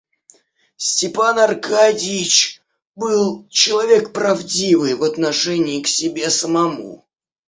Степан Аркадьич был человек правдивый в отношении к себе самому.